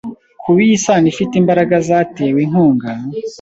Kuba iyi sano ifite imbaraga zatewe inkunga